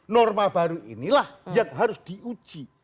norma baru inilah yang harus diuji